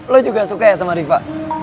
lo juga suka ya sama riva